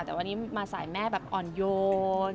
แต่วันนี้มาสายแม่แบบอ่อนโยน